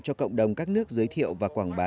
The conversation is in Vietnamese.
cho cộng đồng các nước giới thiệu và quảng bá